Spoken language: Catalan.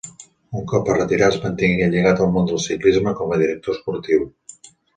Un cop es retirà, es mantingué lligat al món del ciclisme com a director esportiu.